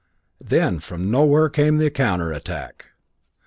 Then from nowhere came the counterattack!